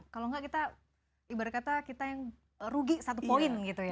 kalau enggak kita ibarat kata kita yang rugi satu poin gitu ya